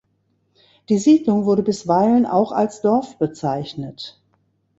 Die Siedlung wurde bisweilen auch als Dorf bezeichnet.